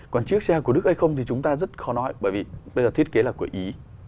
còn chiếc xe của đức hay không thì chúng ta rất khó nói bởi vì đây là thiết kế là của ý